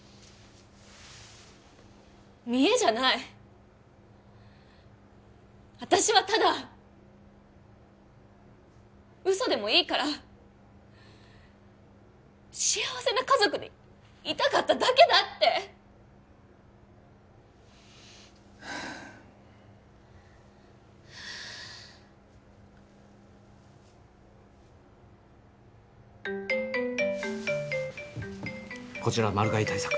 見栄じゃない私はただ嘘でもいいから幸せな家族でいたかっただけだってこちらマル害対策